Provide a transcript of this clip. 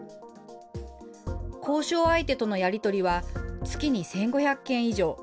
交渉相手とのやり取りは月に１５００件以上。